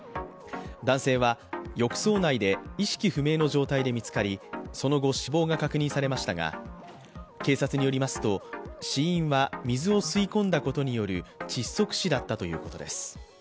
男性は浴槽内で意識不明の状態で見つかり、その後、死亡が確認されましたが、警察によりますと、死因は水を吸い込んだことによる窒息死だったということです。